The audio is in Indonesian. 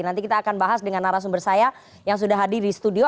nanti kita akan bahas dengan arah sumber saya yang sudah hadir di studio